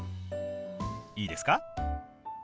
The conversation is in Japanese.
いいですか？